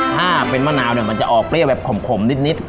ถ้าเป็นมะนาวเนี่ยมันจะออกเปรี้ยวแบบขมนิด